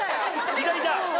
いたいた。